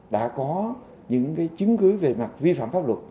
đã có những chứng cứ về mặt vi phạm pháp luật